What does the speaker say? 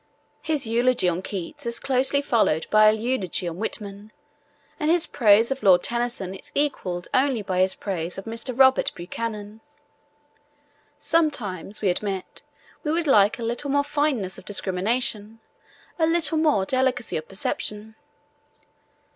His eulogy on Keats is closely followed by a eulogy on Whitman, and his praise of Lord Tennyson is equalled only by his praise of Mr. Robert Buchanan. Sometimes, we admit, we would like a little more fineness of discrimination, a little more delicacy of perception.